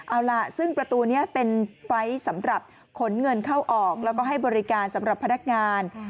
เอาล่ะซึ่งประตูนี้เป็นไฟล์สำหรับขนเงินเข้าออกแล้วก็ให้บริการสำหรับพนักงาน